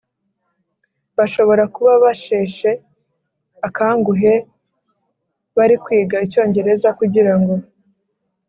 Bashobora kuba basheshe akanguhe bari kwiga icyongereza kugirango